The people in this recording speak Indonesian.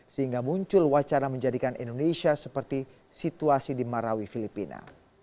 sehingga muncul wacana menjadikan indonesia seperti situasi di marawi filipina